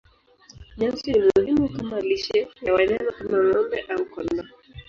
Nyasi ni muhimu kama lishe ya wanyama kama ng'ombe au kondoo.